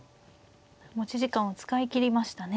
持ち時間を使い切りましたね。